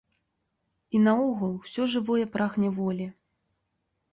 І наогул, усё жывое прагне волі.